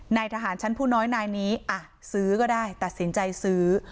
นายทหารชั้นผู้น้อยนายนี้ซื้อก็ได้ตัดสินใจซื้อ